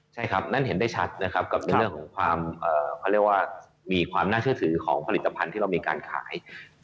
ใช่ครับนั่นเห็นได้ชัดนะครับกับในเรื่องของความเขาเรียกว่ามีความน่าเชื่อถือของผลิตภัณฑ์ที่เรามีการขาย